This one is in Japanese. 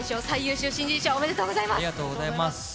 最優秀新人賞おめでとうございます！